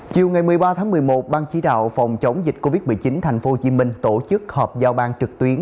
chiều một mươi ba một mươi một ban chí đạo phòng chống dịch covid một mươi chín tp hcm tổ chức họp giao ban trực tuyến